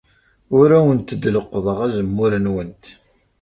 Ur awent-d-leqqḍeɣ azemmur-nwent.